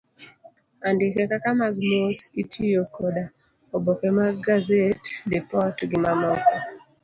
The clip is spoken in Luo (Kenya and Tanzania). Andike kaka mag mos itiyo koda oboke mag gazet, lipot, gi mamoko.